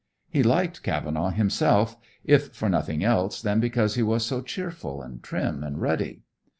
He liked Cavenaugh himself, if for nothing else than because he was so cheerful and trim and ruddy.